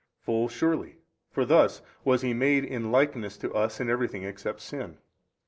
A. Full surely: for thus WAS He MADE in likeness to us in everything except sin.